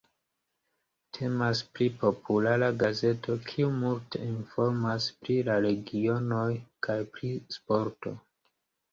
Temas pri populara gazeto kiu multe informas pri la regionoj kaj pri sporto.